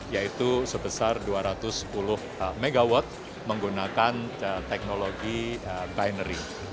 yaitu sebesar dua ratus sepuluh mw menggunakan teknologi binary